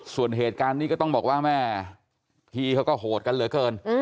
ส่วนเหตุการณ์นี้ก็ต้องบอกว่าแม่พี่เขาก็โหดกันเหลือเกิน